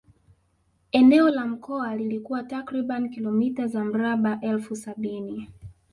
Eneo la mkoa lilikuwa takriban kilometa za mraba elfu sabini